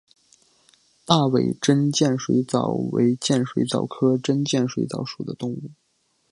大尾真剑水蚤为剑水蚤科真剑水蚤属的动物。